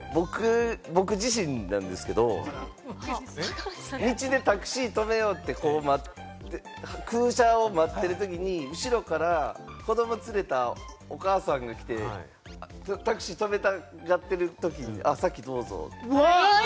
僕自身なんですけど、道でタクシー止めようって空車を待ってるときに後ろから子ども連れたお母さんが来て、タクシー止めたがってるときに、先どうぞって。